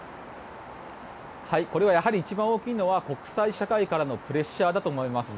これはやはり一番大きいのは国際社会からのプレッシャーだと思います。